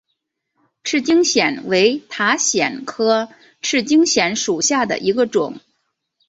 赤茎藓为塔藓科赤茎藓属下的一个种。